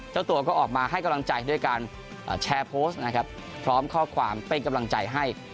เจ้าตัวก็ออกมาให้กำลังใจด้วยการแชร์โพสต์นะครับพร้อมข้อความเป็นกำลังใจให้